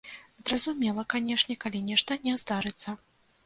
Зразумела, канешне, калі нешта не здарыцца.